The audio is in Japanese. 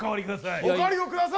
おかわりをください！